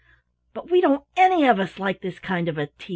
"But we don't any of us like this kind of a tea!"